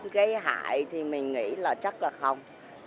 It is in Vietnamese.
gây hại thì mình nghĩ là chắc là không